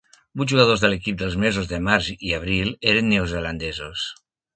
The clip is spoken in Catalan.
Vuit jugadors de l'equip dels mesos de març i abril eren neozelandesos.